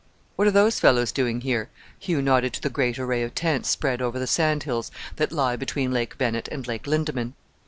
"What are those fellows doing here?" Hugh nodded to the great array of tents spread over the sand hills that lie between Lake Bennett and Lake Lindeman.